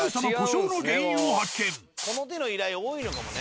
「あれだ！」とこの手の依頼多いのかもね。